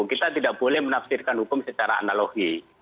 kita tidak boleh menafsirkan hukum secara analogi